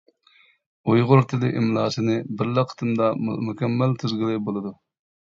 ئۇيغۇر تىلى ئىملاسىنى بىرلا قېتىمدا مۇكەممەل تۈزگىلى بولىدۇ.